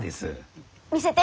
見せて。